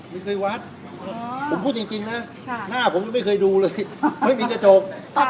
วัดผมพูดจริงนะหน้าผมยังไม่เคยดูเลยไม่มีกระจก